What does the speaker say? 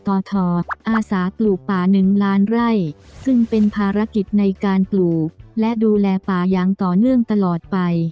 อาสาปลูกป่าหนึ่งล้านไร่ซึ่งเป็นภารกิจในการปลูกและดูแลป่าอย่างต่อเนื่องตลอดไป